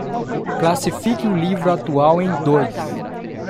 Classifique o livro atual em dois